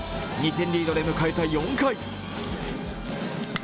２点リードで迎えた４回。